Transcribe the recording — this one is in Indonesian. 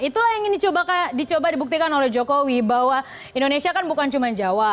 itulah yang ingin dicoba dibuktikan oleh jokowi bahwa indonesia kan bukan cuma jawa